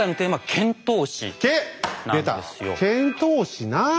遣唐使な！